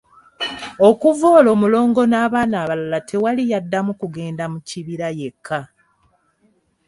Okuva olwo Mulongo n'abaana abalala tewali yaddamu kugenda mu kibira yekka.